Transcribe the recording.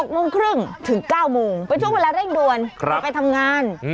๖โมงครึ่งถึง๙โมงเป็นช่วงเวลาเร่งด่วนจะไปทำงาน